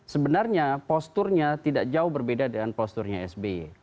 sebenarnya posturnya tidak jauh berbeda dengan posturnya sby